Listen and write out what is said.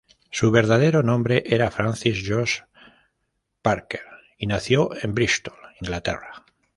Su verdadero nombre era Francis George Packer, y nació en Bristol, Inglaterra.